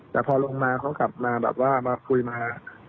แต่พอลงมาเขากลับมาแบบว่ามาคุยมา